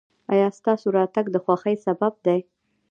ایا ستاسو راتګ د خوښۍ سبب دی؟